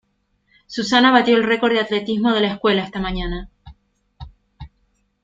Susana batió el récord de atletismo de la escuela esta mañana.